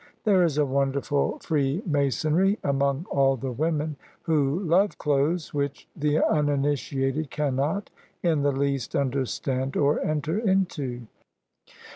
There is a wonderful freemasonry among all the women who love clothes, which the uninitiated cannot in the least understand or enter into.